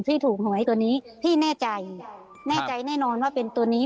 ที่ถูกหวยตัวนี้พี่แน่ใจแน่ใจแน่นอนว่าเป็นตัวนี้